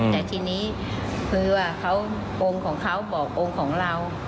แต่ทีนี้คือว่าองค์ของเขาบอกองค์ของเรา